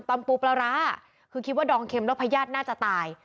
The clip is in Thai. ปูปลาร้าคือคิดว่าดองเข็มแล้วพญาติน่าจะตาย